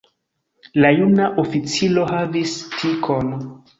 La juna oficiro havis tikon.